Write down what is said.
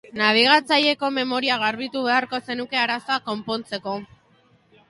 Nabigatzaileko memoria garbitu beharko zenuke arazoa konpontzeko.